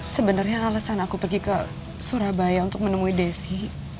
sebenarnya alasan aku pergi ke surabaya untuk menemui desi